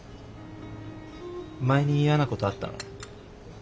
前に嫌なことあったの？